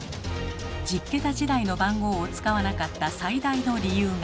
１０桁時代の番号を使わなかった最大の理由が。